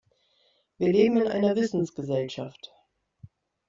Wir leben in einer Wissensgesellschaft.